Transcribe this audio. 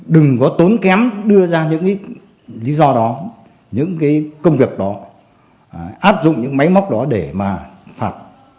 đừng có tốn kém đưa ra những lý do đó những cái công việc đó áp dụng những máy móc đó để mà phạt